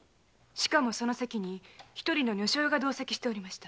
その席に一人の女性が同席しておりました。